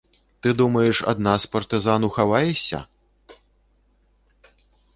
Ты думаеш, ад нас, партызан, ухаваешся?